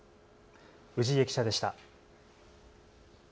氏家記者でした。